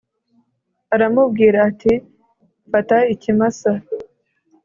aramubwira ati fata ikimasa